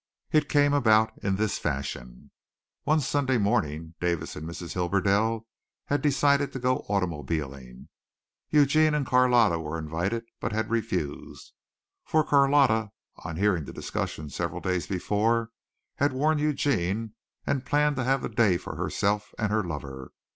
It came about in this fashion. One Sunday morning Davis and Mrs. Hibberdell had decided to go automobiling. Eugene and Carlotta were invited but had refused, for Carlotta on hearing the discussion several days before had warned Eugene and planned to have the day for herself and her lover.